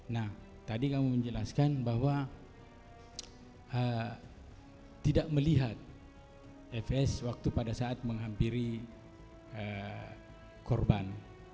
nah tadi kamu menjelaskan bahwa tidak melihat fs pada saat menghampiri korban